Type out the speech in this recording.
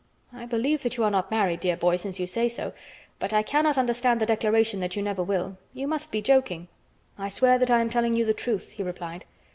"I believe that you are not married, dear boy, since you say so, but I cannot understand the declaration that you never will. You must be joking." "I swear that I am telling you the truth," he replied.